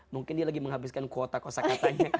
mungkin dia lagi menghabiskan kuota kosa katanya